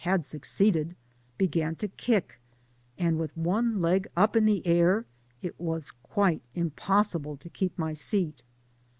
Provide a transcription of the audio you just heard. S09 had succeeded, began to kick, and with one leg up in the mr, it was quite impossible to keep my seat.